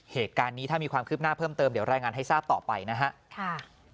เหตุการณ์นี้ถ้ามีความคืบหน้าเพิ่มเติมเดี๋ยวรายงานให้ทราบต่อไปนะครับ